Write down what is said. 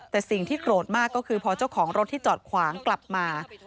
แต่สิ่งที่โกรธมากก็คือพอเจ้าของรถที่จอดขวางกลับมา